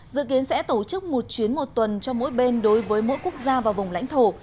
dự kiến sẽ tổ chức một chuyến một tuần cho mỗi bên đối với mỗi quốc gia và vùng lãnh thổ